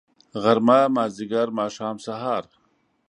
غرمه . مازدیګر . ماښام .. سهار